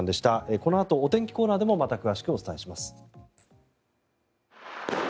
このあとお天気コーナーでもまたお伝えします。